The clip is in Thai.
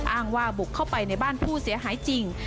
อ้างว่าบุกเข้าไปในบ้านผู้เสียหายจริง